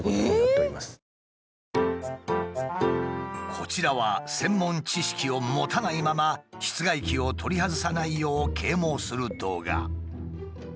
こちらは専門知識を持たないまま室外機を取り外さないよう啓蒙する動画。